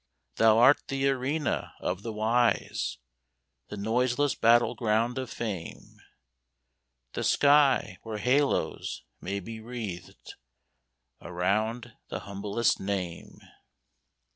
Thou art the arena of the wise, The noiseless battle ground of fame; The sky where halos may be wreathed Around the humblest name.